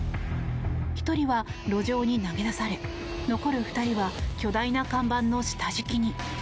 １人は路上に投げ出され残る２人は巨大な看板の下敷きに。